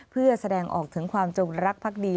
เพื่อแสดงออกถึงความจงรักภักดี